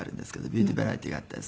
ビューティーバラエティーがあったり。